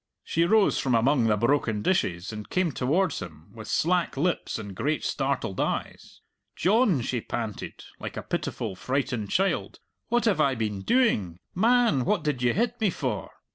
She rose from among the broken dishes and came towards him, with slack lips and great startled eyes. "John," she panted, like a pitiful frightened child, "what have I been doing?... Man, what did you hit me for?"